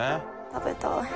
食べたい。